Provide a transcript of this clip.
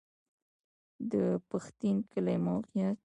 د پښتین کلی موقعیت